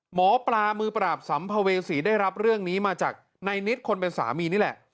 หมอปลามือปราบสัมภเวษีได้รับเรื่องนี้มาจากในนิดคนเป็นสามีนี่แหละ